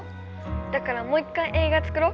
「だからもう一回映画作ろう」。